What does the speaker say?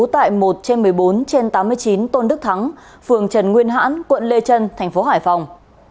tại một trên một mươi bốn trên tám mươi chín tôn đức thắng phường trần nguyên hãn quận lê trân thành phố hải phòng